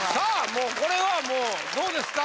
もうこれはもうどうですか？